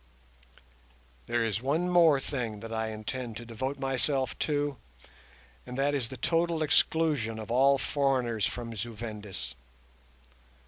There is one more thing that I intend to devote myself to, and that is the total exclusion of all foreigners from Zu Vendis.